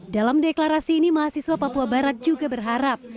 dalam deklarasi ini mahasiswa papua barat juga berharap